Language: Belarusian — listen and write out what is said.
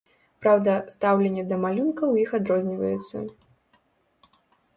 Праўда, стаўленне да малюнка ў іх адрозніваецца.